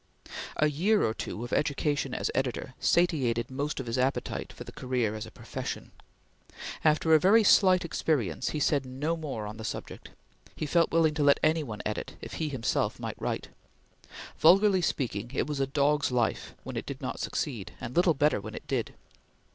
A year or two of education as editor satiated most of his appetite for that career as a profession. After a very slight experience, he said no more on the subject. He felt willing to let any one edit, if he himself might write. Vulgarly speaking, it was a dog's life when it did not succeed, and little better when it did.